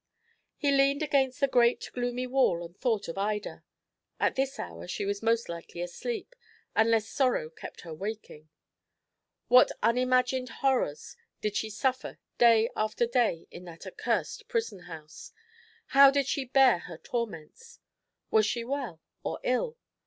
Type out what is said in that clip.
He leaned against the great, gloomy wall, and thought of Ida. At this hour she was most likely asleep, unless sorrow kept her waking. What unimagined horrors did she suffer day after day in that accursed prison house? How did she bear her torments? Was she well or ill?